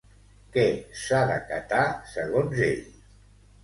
Què s'ha d'acatar, segons ell?